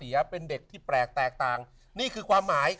แยกทางกัน